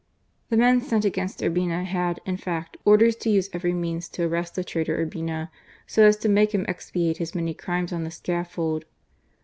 The men sent against Urbina had, in fact, orders to use every means to arrest the traitor Urbina, so as to make him expiate his many crimes on the scaffold.